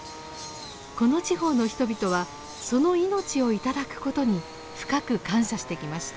この地方の人々はその命を頂くことに深く感謝してきました。